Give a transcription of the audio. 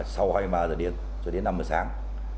sau hai mươi ba h điện cho đến năm h sáng